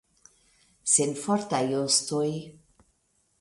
Senfortaj ostoj!